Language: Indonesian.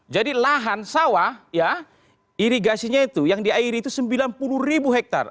jadi lahan sawah ya irigasinya itu yang diairi itu sembilan puluh hektar